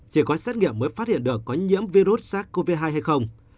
chỉ có xét nghiệm mới phát hiện được có nhiễm virus sars cov hai hay không